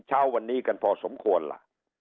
เช้าวันนี้กันพอสมควรล่ะ